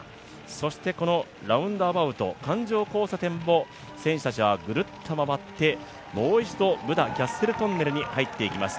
そしてラウンドアバウト、環状交差点も選手たちはぐるっと回ってブダ・キャッスル・トンネルに入っていきます。